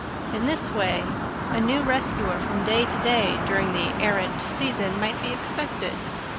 ] In this way a new rescuer from day to day during the "errant" season might be expected.